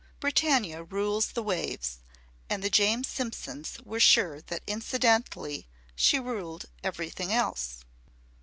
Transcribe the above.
Britannia Rules the Waves and the James Simpsons were sure that incidentally she ruled everything else.